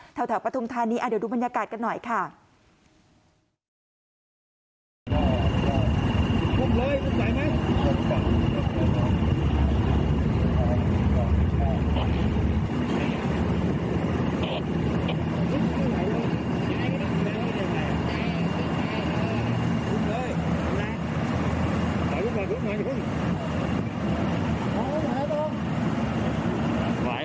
แถวประทุมธรรมนี้เดี๋ยวดูบรรยากาศกันหน่อย